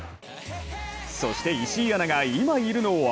そして、石井アナが今いるのは？